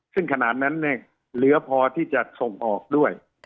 ซึ่งขนาดนั้นเหลือพอที่จะส่งออกด้วย